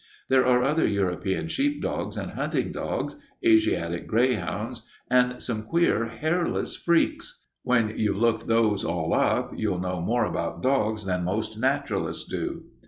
There are other European sheepdogs and hunting dogs, Asiatic greyhounds, and some queer hairless freaks. When you've looked those all up you'll know more about dogs than most naturalists do."